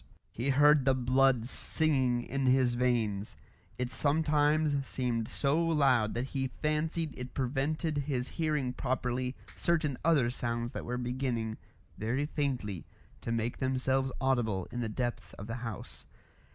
He heard the blood singing in his veins. It sometimes seemed so loud that he fancied it prevented his hearing properly certain other sounds that were beginning very faintly to make themselves audible in the depths of the house.